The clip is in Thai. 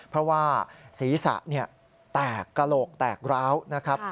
เพราะว่าศีรษะแตกกระโหลกแตกร้าวนะครับ